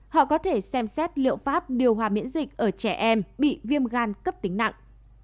họ có thể xem xét liệu pháp điều hòa miễn dịch ở trẻ em bị viêm gan cấp tính nặng